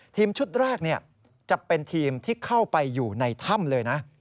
ทีมชุดแรกจะเป็นทีมที่เข้าไปอยู่ในถ้ำเลยนะ